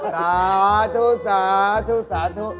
สาทุสาทุสาทุ